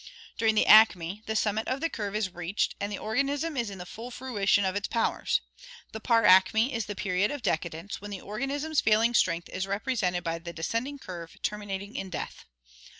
During the acme the summit of the curve is reached and the organism is in the full fruition of its powers. The par acme is the period of decadence, when the organism's failing strength is represented by the descending curve terminating in death.